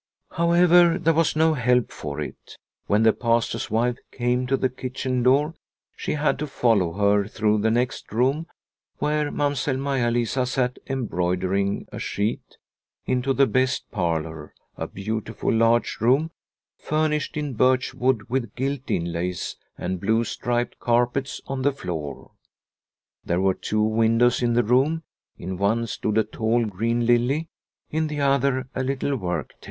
However, there was no help for it ; when the Pastor's wife came to the kitchen door she had to follow her through the next room, where Mamsell Maia Lisa sat embroidering a sheet, into the best parlour, a beautiful, large room, furnished in birchwood with gilt inlays and blue striped carpets on the floor. There were two windows in the room ; in one stood a tall green lily, in the other a little work table.